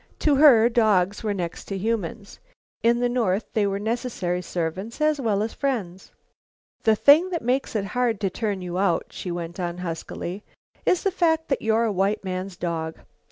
To her dogs were next to humans. In the North they were necessary servants as well as friends. "The thing that makes it hard to turn you out," she went on huskily, "is the fact that you're a white man's dog.